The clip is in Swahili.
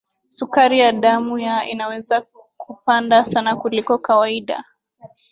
sukari ya damu ya inaweza kupanda sana kuliko kawaida